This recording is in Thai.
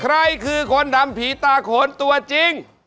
ใครคือคนดำผีตาโขนตัวจริง